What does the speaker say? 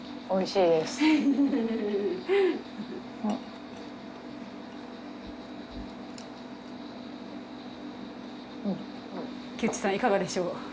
いかがでしょう？